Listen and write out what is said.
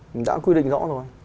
mình đã quy định rõ rồi